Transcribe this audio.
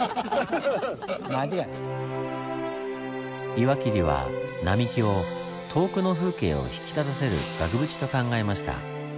岩切は並木を遠くの風景を引き立たせる額縁と考えました。